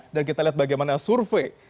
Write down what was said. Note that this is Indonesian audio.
dan kita lihat bagaimana survei